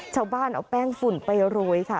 ชาวบ้านเอาแป้งฝุ่นไปโรยค่ะ